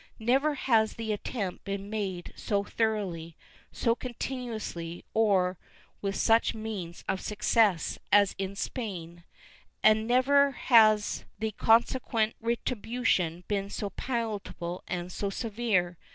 Never has the attempt been made so thoroughly, so continuously or v/ith such means of success as in Spain, and never has the consequent retril^ution been so palpable and so severe.